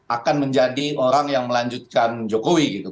akan menjadi orang yang melanjutkan jokowi gitu